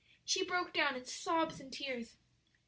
She broke down in sobs and tears.